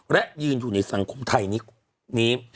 และยืนอยู่ในสังคมไทยนี้